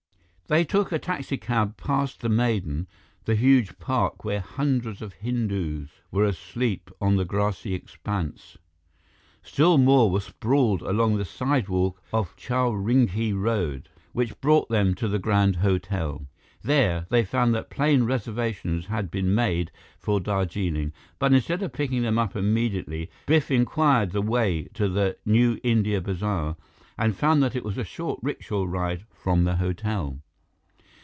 They took a taxicab past the Maidan, the huge park where hundreds of Hindus were asleep on the grassy expanse. Still more were sprawled along the sidewalk of Chowringhi Road, which brought them to the Grand Hotel. There, they found that plane reservations had been made for Darjeeling, but instead of picking them up immediately, Biff inquired the way to the New India Bazaar and found that it was a short rickshaw ride from the hotel.